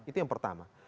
itu yang pertama